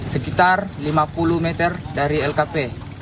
sekitar lima puluh meter dari lkp